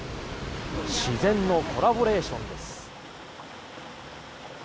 自然のコラボレーションです。